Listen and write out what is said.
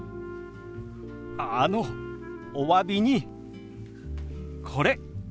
あのおわびにこれ。